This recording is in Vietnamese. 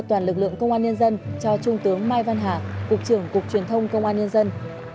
toàn lực lượng công an nhân dân cho trung tướng mai văn hà cục trưởng cục truyền thông công an nhân dân